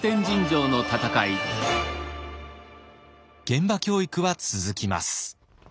現場教育は続きます。